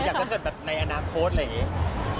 ถ้าเกิดแบบในอนาคตอะไรอย่างนี้